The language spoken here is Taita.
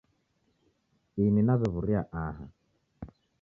Ini naw'ew'uria aha.